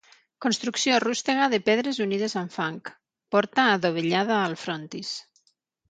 Construcció rústega de pedres unides amb fang, porta adovellada al frontis.